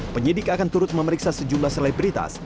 penyidik akan turut memeriksa sejumlah selebritas